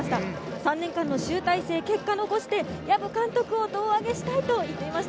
３年間の集大成、結果を残して、藪監督を胴上げしたいと言っていました。